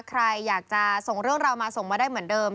ใครอยากจะส่งเรื่องราวมาส่งมาได้เหมือนเดิม